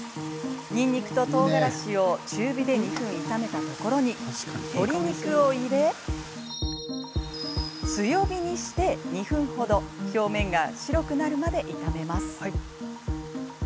にんにくと、とうがらしを中火で２分炒めたところに鶏肉を入れ強火にして２分程表面が白くなるまで炒めます。